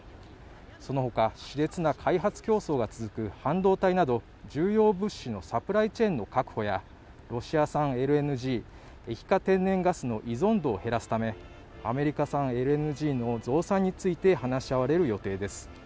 そのほか熾烈な開発競争が続く半導体など重要物資のサプライチェーンの確保やロシア産ＬＮＧ＝液化天然ガスの依存度を減らすためアメリカ産ＬＮＧの増産について話し合われる予定です